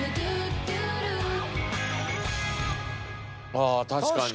ああ確かに。